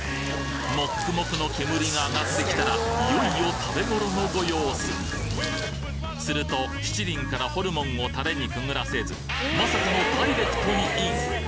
モックモクの煙が上がってきたらいよいよ食べ頃のご様子すると七輪からホルモンをタレにくぐらせずまさかのダイレクトにイン！